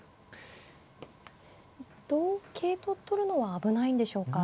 同桂と取るのは危ないんでしょうか。